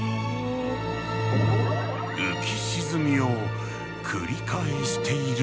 浮き沈みを繰り返している。